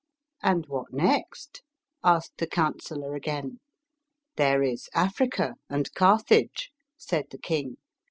" And what next ?" asked the counsellor again. " There is Africa and Carthage," said the king.